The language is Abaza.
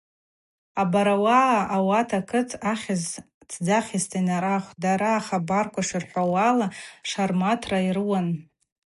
Абарауаъа ауат акыт ахьыз тдзахьызта йнарахвтӏ, дара, ахабарква йшгӏархӏвауала, Шарматра йрыуан.